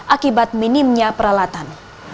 akibat minimnya peralatan